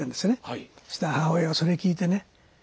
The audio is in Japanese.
そしたら母親がそれ聴いてね